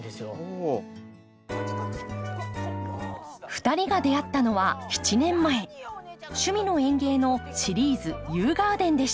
２人が出会ったのは７年前「趣味の園芸」のシリーズ「遊ガーデン」でした。